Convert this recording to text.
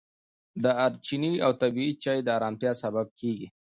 دارچیني او طبیعي چای د ارامتیا سبب کېږي.